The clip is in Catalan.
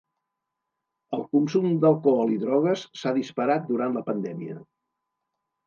El consum d'alcohol i drogues s'ha disparat durant la pandèmia.